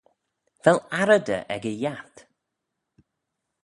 Vel arreyder ec y yiat?